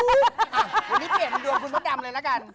วันนี้เปลี่ยนดวงคุณพ่อดำเลยละกัน